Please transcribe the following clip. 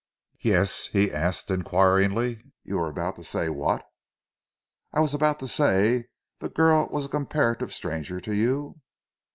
"Yes?" he asked inquiringly. "You were about to say what?" "I was about to say the girl was a comparative stranger to you!"